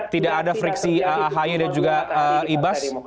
tidak ada friksi ahy dan juga ibas